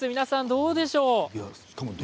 どうでしょう？